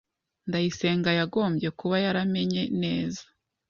Ndayisenga yagombye kuba yaramenye neza.